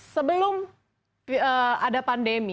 sebelum ada pandemi